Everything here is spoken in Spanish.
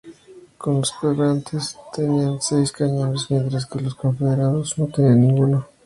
Los "Covenanters" tenían seis cañones, mientras que los "Confederados" no tenían ninguno.